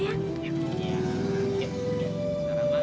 ibu aku mau